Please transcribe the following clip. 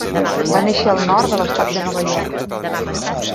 Va néixer al nord de l'estat de Nova York.